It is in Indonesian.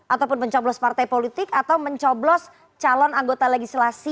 ataupun mencoblos partai politik atau mencoblos calon anggota legislasi